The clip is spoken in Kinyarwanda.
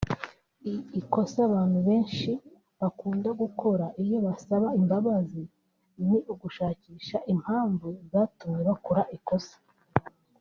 Ikosa abantu benshi bakunda gukora iyo basaba imbabazi ni ugushakisha impamvu zatumye bakora ikosa